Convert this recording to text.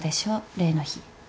例の日。